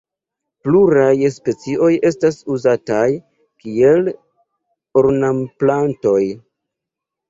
Pluraj specioj estas uzataj kiel ornamplantoj.